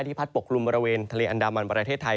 ที่พัดปกรุมบริเวณทะเลอันดามันบริเทศไทย